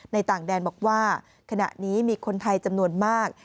ต่างแดนบอกว่าขณะนี้มีคนไทยจำนวนมาก